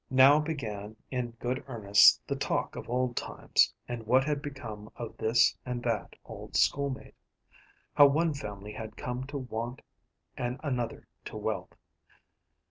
Now began in good earnest the talk of old times, and what had become of this and that old schoolmate; how one family had come to want and another to wealth.